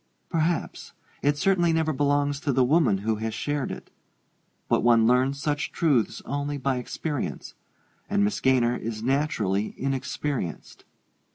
"Perhaps it certainly never belongs to the woman who has shared it. But one learns such truths only by experience; and Miss Gaynor is naturally inexperienced."